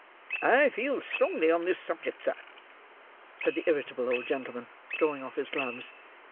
"I feel strongly on this subject, sir," said the irritable old gentleman, drawing off his gloves.